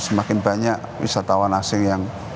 semakin banyak wisatawan asing yang